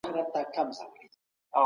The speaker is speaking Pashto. نورو ته موسکا کول صدقه ده.